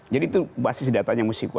jadi itu basis datanya musik